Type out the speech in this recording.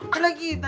terus semangin jatuh